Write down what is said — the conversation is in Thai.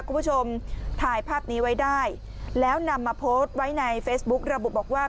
คุณผู้ชมถ่ายภาพนี้ไว้ได้แล้วนำมาโพสต์ไว้ในเฟซบุ๊กระบุบอกว่า